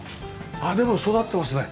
あっでも育ってますね。